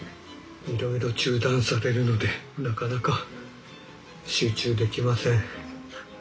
いろいろ中断されるのでなかなか集中できません。